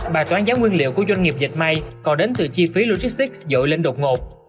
bài toán giáo nguyên liệu của doanh nghiệp dịch may có đến từ chi phí logistics dội lên độc ngột